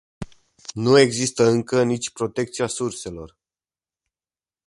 Nu există încă nici protecția surselor.